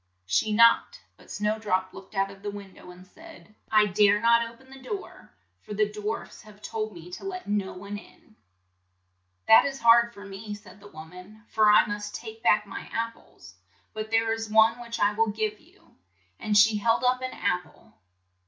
She knocked, but Snow drop looked out of the win dow and said, "I dare not o pen the door, for the dwarfs have told me to let no one in." "That is hard for me," said the wom an, "for I must take back my ap ples, but there is one which I will »/ give you ;'' and she SNOWDROP LETS THE DISGUISED QUEEN LACE HER WAIST. held UP an ap ple.